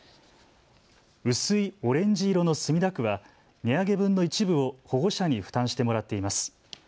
薄いオレンジ色の墨田区は、値上げ分の一部を保護者に負担してもらっています。